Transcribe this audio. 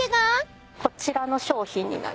こちらの商品になります。